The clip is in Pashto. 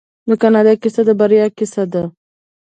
د کاناډا کیسه د بریا کیسه ده.